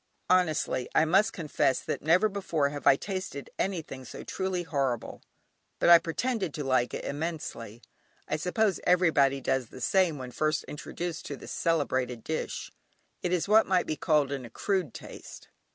Honestly, I must confess that never before have I tasted anything so truly horrible; but I pretended to like it immensely. I suppose everybody does the same when first introduced to this celebrated dish: it is what might be called "an accrued taste."